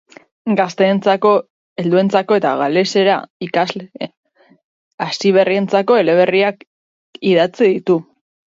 Gazteentzako, helduentzako eta galesera ikasle hasiberrientzako eleberriak idatzi ditu.